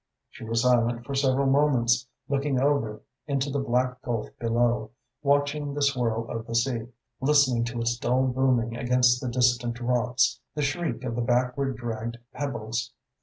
She was silent for several moments, looking over into the black gulf below, watching the swirl of the sea, listening to its dull booming against the distant rocks, the shriek of the backward dragged pebbles.